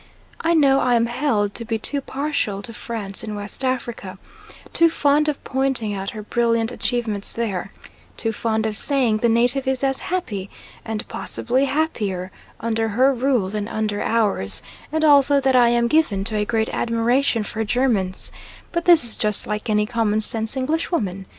I know I am held to be too partial to France in West Africa; too fond of pointing out her brilliant achievements there, too fond of saying the native is as happy, and possibly happier, under her rule than under ours; and also that I am given to a great admiration for Germans; but this is just like any common sense Englishwoman.